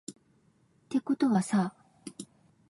てことはさ